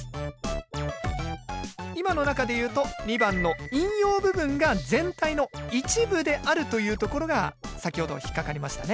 今の中でいうと２番の引用部分が全体の一部であるというところが先ほど引っ掛かりましたね。